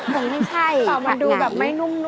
หนูไม่ใช่ถ่าไหงมันดูแบบไม่นุ่มนวลอะไรอย่างนี้ไหมหนูคิดเอง